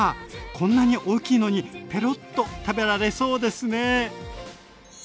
こんなに大きいのにペロッと食べられそうですね。